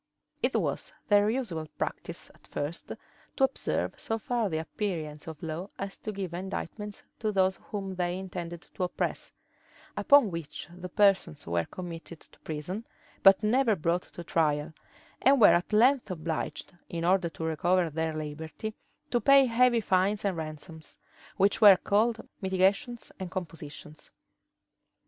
It was their usual practice, at first, to observe so far the appearance of law as to give indictments to those whom they intended to oppress; upon which the persons were committed to prison, but never brought to trial; and were at length obliged, in order to recover their liberty, to pay heavy fines and ransoms, which were called mitigations and compositions.